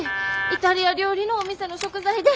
イタリア料理のお店の食材で。